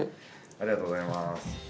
ありがとうございます。